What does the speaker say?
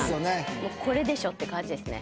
もうこれでしょって感じですね。